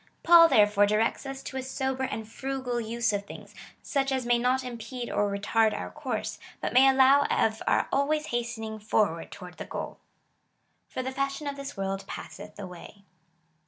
^ Paul, therefore, directs us to a sober and frugal use of things, such as may not impede or retard our course, but may allow of our always hastening forward toward the goal. For the fashion of this world passeth away.